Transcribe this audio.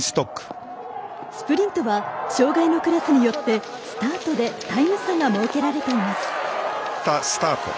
スプリントは障がいのクラスによってスタートでタイム差が設けられています。